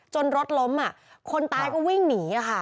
รถล้มคนตายก็วิ่งหนีค่ะ